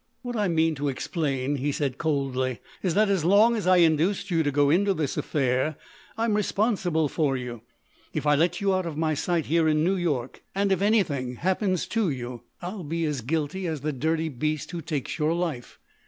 "What I mean to explain," he said coldly, "is that as long as I induced you to go into this affair I'm responsible for you. If I let you out of my sight here in New York and if anything happens to you, I'll be as guilty as the dirty beast who takes your life.